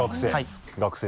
学生。